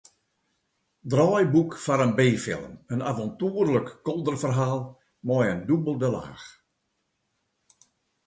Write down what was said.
Draaiboek foar in b-film, in aventoerlik kolderferhaal, mei in dûbelde laach.